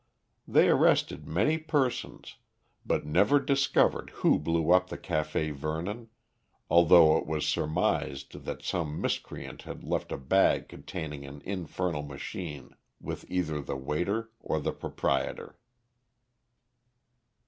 They arrested many persons, but never discovered who blew up the Café Vernon, although it was surmised that some miscreant had left a bag containing an infernal machine with either the waiter or the proprietor.